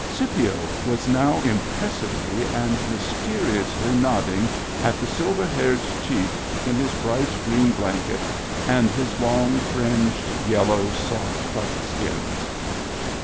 Scipio was now impressively and mysteriously nodding at the sil ver haired chief in his bright, green blanket, and his long, fringed, yellow, soft buckskins.